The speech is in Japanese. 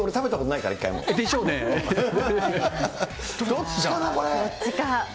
どっちか。